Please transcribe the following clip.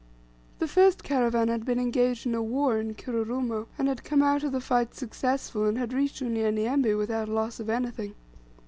The first caravan had been engaged in a war at Kirurumo, and had come out of the fight successful, and had reached Unyanyembe without loss of anything.